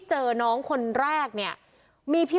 เพื่อนบ้านเจ้าหน้าที่อำรวจกู้ภัย